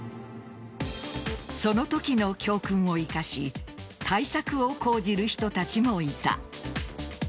その時の教訓を生かし対策を講じる人たちもいた。